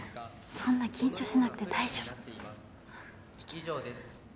そんな緊張しなくて大丈夫・以上です